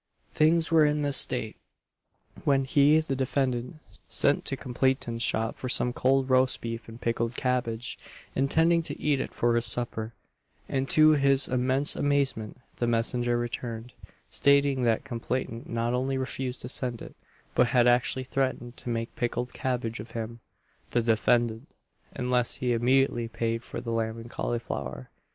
Things were in this state, when he, the defendant, sent to complainant's shop for some cold roast beef and pickled cabbage, intending to eat it for his supper, and, to his immense amazement, the messenger returned, stating that complainant not only refused to send it, but had actually threatened to make pickled cabbage of him (the defendant), unless he immediately paid for the lamb and cauliflower.